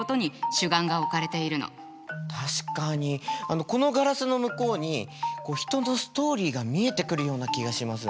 確かにこのガラスの向こうに人のストーリーが見えてくるような気がします。